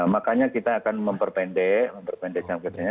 makanya kita akan memperpendek memperpendeks jam kerjanya